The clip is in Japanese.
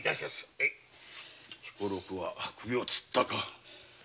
彦六は首を吊ったか。